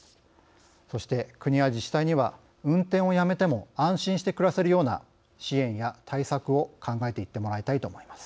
そして、国や自治体には運転をやめても安心して暮らせるような支援や対策を考えていってもらいたいと思います。